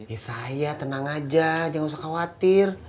ya saya tenang aja jangan usah khawatir